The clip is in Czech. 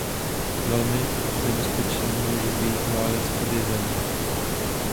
Velmi nebezpečný může být válec pod jezem.